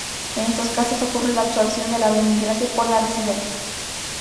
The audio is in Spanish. En estos casos ocurre la absorción del ave migrante por la residente.